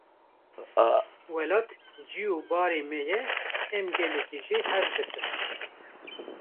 Welat cih û ware me ye, em gelekî jê hez dikin.